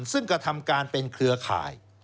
ซึ่งกระทำการเป็นเครือข่าย